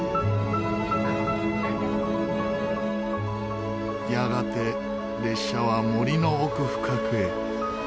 やがて列車は森の奥深くへ。